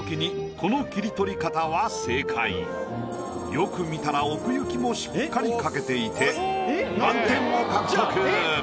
よく見たら奥行きもしっかり描けていて満点を獲得。